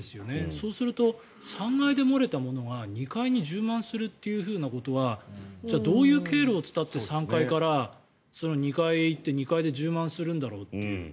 そうすると、３階で漏れたものが２階に充満するということはどういう経路を伝って３階から２階へ行って２階で充満するんだろうという。